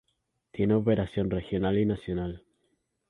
Tiene operación regional y nacional.